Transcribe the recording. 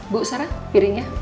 bu sara piringnya